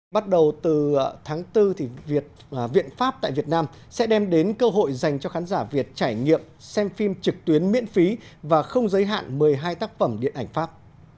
bắt đầu từ tháng bốn viện pháp tại việt nam sẽ đem đến cơ hội dành cho khán giả việt trải nghiệm xem phim trực tuyến miễn phí và không giới hạn một mươi hai tác phẩm điện ảnh pháp